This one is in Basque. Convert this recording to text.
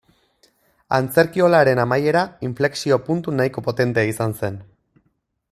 Antzerkiolaren amaiera inflexio-puntu nahiko potentea izan zen.